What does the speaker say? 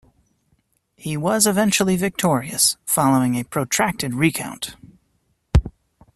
He was eventually victorious, following a protracted recount.